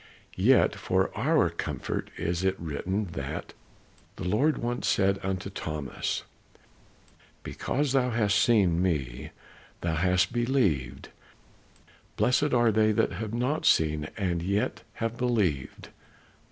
Yet for our comfort is it written that the Lord once said unto Thomas, "Because thou hast seen me thou hast believed; blessed are they that have not seen and yet have believed."